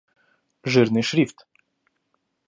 Жирный шрифт